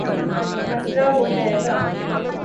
مسلہ ہو جائے گا